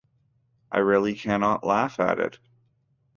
I really cannot laugh at it.